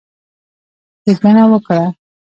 ښېګڼه وکړه،